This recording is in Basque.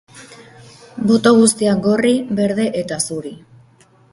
Boto guztiak gorri, berde eta zuri.